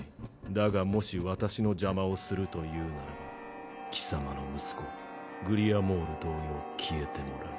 だがもし私の邪魔をするというならば貴様の息子グリアモール同様消えてもらう。